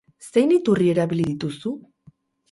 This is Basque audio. Zein iturri erabili dituzu?